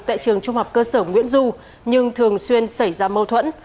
tại trường trung học cơ sở nguyễn du nhưng thường xuyên xảy ra mâu thuẫn